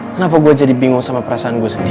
kenapa gue jadi bingung sama perasaan gue sendiri